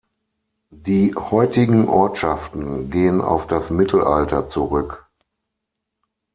Die heutigen Ortschaften gehen auf das Mittelalter zurück.